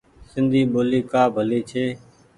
سندي ٻولي ڪآ ڀلي ڇي۔